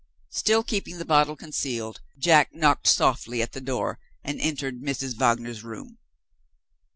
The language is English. Still keeping the bottle concealed, Jack knocked softly at the door, and entered Mrs. Wagner's room.